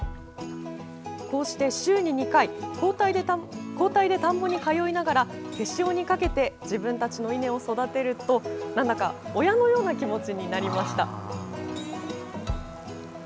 こうして週に２回交代で田んぼに通いながら手塩にかけて自分たちの稲を育てるとなんだか親のような気持ちになりました。